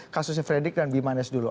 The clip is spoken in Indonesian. kasusnya fredrik dan bimanes dulu